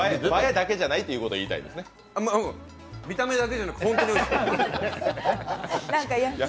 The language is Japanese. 見た目だけじゃなくてホントにおいしい。